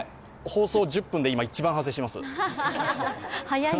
放送１０分で今、一番反省しています。